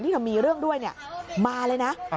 ที่ทำมีเรื่องด้วยมาเลยนะ